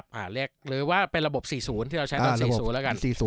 หรือว่าเป็นระบบ๔๐ที่เราใช้ตอน๔๐แล้วกัน๔๐